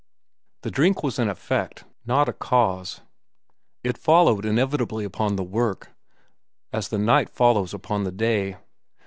The drink was an effect, not a cause. It followed inevitably upon the work, as the night follows upon the day.